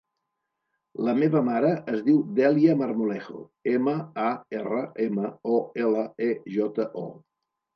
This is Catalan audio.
La meva mare es diu Dèlia Marmolejo: ema, a, erra, ema, o, ela, e, jota, o.